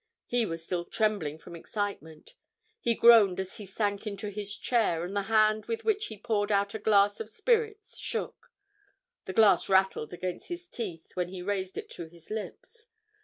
He was still trembling from excitement; he groaned as he sank into his chair and the hand with which he poured out a glass of spirits shook; the glass rattled against his teeth when he raised it to his lips.